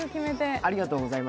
ありがとうございます。